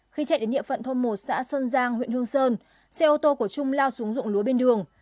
khi chạy đến địa phận thôn một xã sơn giang huyện hương sơn xe ô tô của trung lao xuống dụng lúa bên đường